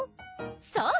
そう！